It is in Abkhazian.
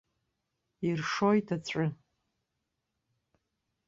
Иршоит аҵәы.